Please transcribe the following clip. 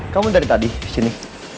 kamu dari tadi disini